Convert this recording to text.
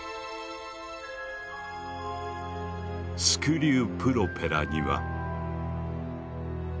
スクリュープロペラには「４０１」